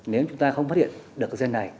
nếu chúng ta không phát hiện được cái gen này